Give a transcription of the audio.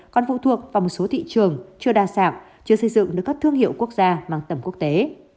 còn phụ thuộc vào một số thị trường chưa đa dạng chưa xây dựng được các thương hiệu quốc gia mang tầm quốc tế